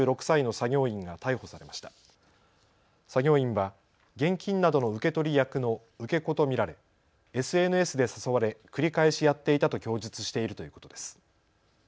作業員は現金などの受け取り役の受け子と見られＳＮＳで誘われ繰り返しやっていたと供述しているということです。